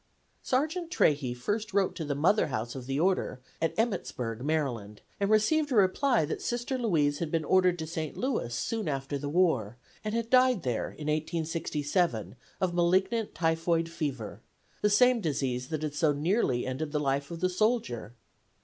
Sergeant Trahey first wrote to the Mother House of the order, at Emmitsburg, Md., and received a reply that Sister Louise had been ordered to St. Louis soon after the war and had died there in 1867 of malignant typhoid fever, the same disease that had so nearly ended the life of the soldier.